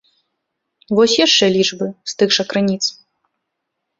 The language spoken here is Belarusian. Вось яшчэ лічбы з тых жа крыніц.